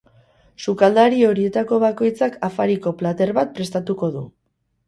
Sukaldari horietako bakoitzak afariko plater bat prestatuko du.